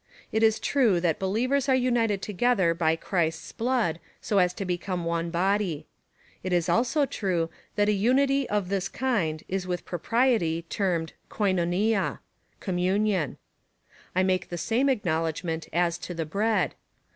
It is true, that believers are united together by Christ's blood, so as to become one body. Itjs also true, that a unity of this kind is with propriety termed Koivcovla. (co7nmunion.) I make the same acknow ledgment as to the bread.